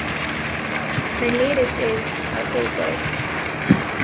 Her latest is "I'll say so!"